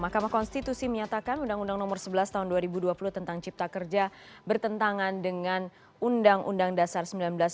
mahkamah konstitusi menyatakan undang undang nomor sebelas tahun dua ribu dua puluh tentang cipta kerja bertentangan dengan undang undang dasar seribu sembilan ratus empat puluh lima